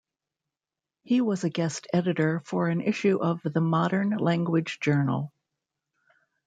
He was a guest editor for an issue of the "Modern Language Journal".